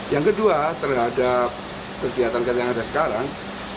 yang kedua terhadap kegiatan kegiatan yang ada sekarang